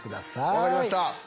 分かりました。